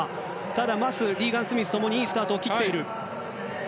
ただ、マスリーガン・スミス共にいいスタートを切っている。